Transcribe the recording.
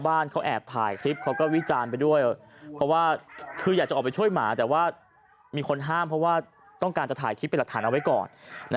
บ้านเขาแอบถ่ายคลิปเขาก็วิจารณ์ไปด้วยเพราะว่าคืออยากจะออกไปช่วยหมาแต่ว่ามีคนห้ามเพราะว่าต้องการจะถ่ายคลิปเป็นหลักฐานเอาไว้ก่อน